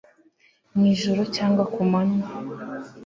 Mwijoro cyangwa kumanywa